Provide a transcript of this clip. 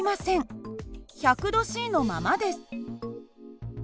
１００℃のままです。